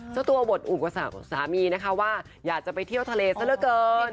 เจ้าตัวบทอุดเผลอสามีว่าอยากจะไปเที่ยวทะเลแซะระเกิน